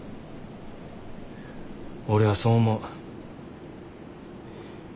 俺はそう思う。